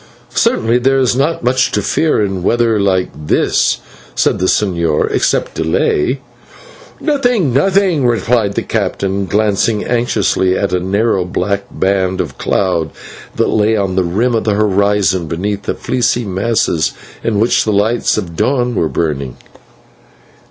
"Certainly there is not much to fear in weather like this," said the señor, "except delay." "Nothing, nothing," replied the captain, glancing anxiously at a narrow black band of cloud, that lay on the rim of the horizon beneath the fleecy masses in which the lights of dawn were burning.